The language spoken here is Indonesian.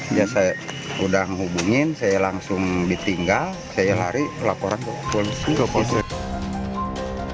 dia sudah menghubungi saya langsung ditinggal saya lari laporan ke polisi